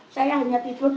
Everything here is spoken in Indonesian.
saya hanya tidur